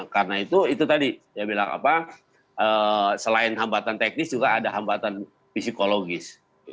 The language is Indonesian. karena itu itu tadi saya bilang selain hambatan teknis juga ada hambatan psikologis